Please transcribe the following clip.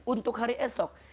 untuk hari esok